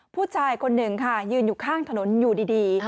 ผู้ชายคนหนึ่งค่ะยืนอยู่ข้างถนนอยู่ดี